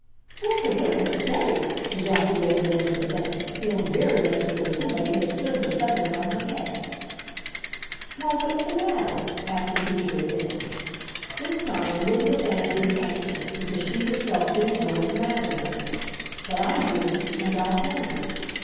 "Well, for goodness' SAKES!" ejaculated Elizabeth Ann, feeling very much as though somebody had stood her suddenly on her head. "Why, what's the matter?" asked the teacher again. This time Elizabeth Ann didn't answer, because she herself didn't know what the matter was. But I do, and I'll tell you.